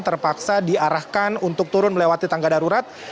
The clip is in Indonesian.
terpaksa diarahkan untuk turun melewati tangga darurat